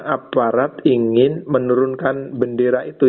aparat ingin menurunkan benda yang berdarah itu